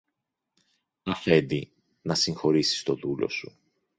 Αφέντη, να συγχωρήσεις το δούλο σου.